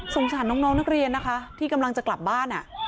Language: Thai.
สารน้องนักเรียนนะคะที่กำลังจะกลับบ้าน